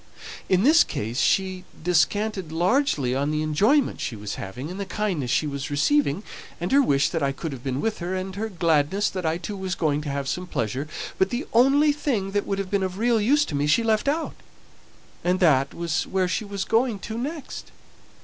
In this case she descanted largely on the enjoyment she was having, and the kindness she was receiving, and her wish that I could have been with her, and her gladness that I too was going to have some pleasure; but the only thing that would have been of real use to me she left out, and that was where she was going to next.